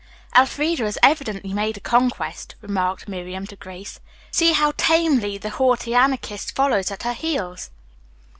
"Elfreda has evidently made a conquest," remarked Miriam to Grace. "See how tamely the haughty Anarchist follows at her heels."